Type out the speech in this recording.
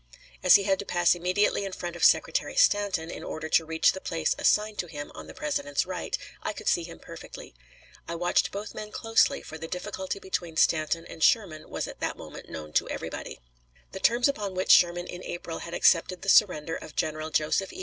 As he had to pass immediately in front of Secretary Stanton in order to reach the place assigned to him on the President's right, I could see him perfectly. I watched both men closely, for the difficulty between Stanton and Sherman was at that moment known to everybody. The terms upon which Sherman in April had accepted the surrender of General Joseph E.